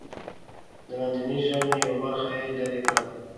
د لاندېنۍ ژامې یوه برخه یې لرې کړه.